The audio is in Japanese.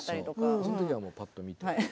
その時は、ぱっと見て。